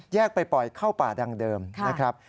ไปปล่อยเข้าป่าดังเดิมนะครับ